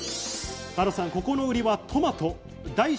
加藤さん、ここ売りはトマト。